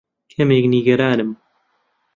کەمێک نیگەرانم.